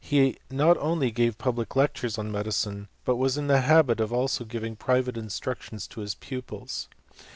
He not only gave pubhc lectures on medicine, but was in the habit also of giving private instructions to his pupils.